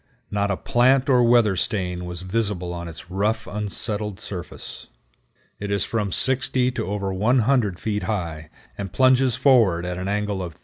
Not a plant or weather stain was visible on its rough, unsettled surface. It is from 60 to over 100 feet high, and plunges forward at an angle of 38°.